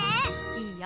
いいよ。